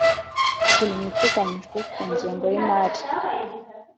imirimo iteganyijwe ku ngengo y’imari,